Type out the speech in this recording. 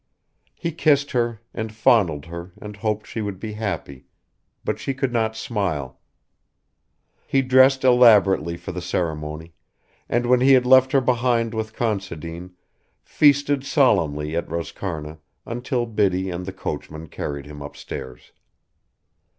He kissed her and fondled her and hoped she would be happy, but she could not smile. He dressed elaborately for the ceremony, and when he had left her behind with Considine, feasted solemnly at Roscarna until Biddy and the coachman carried him upstairs.